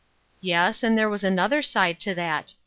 " Yes, and there was another side to that.